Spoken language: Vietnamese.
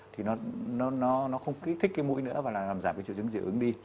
thì nó không kích thích cái mũi nữa và làm giảm triều chứng dị ứng đi